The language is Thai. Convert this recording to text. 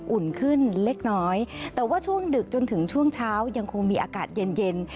อุ่นขึ้นเล็กน้อยแต่ว่าช่วงดึกจนถึงช่วงเช้ายังคงมีอากาศเย็นเย็น